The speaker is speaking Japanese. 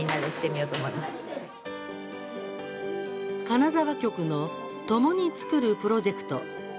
金沢局の“共に創る”プロジェクト。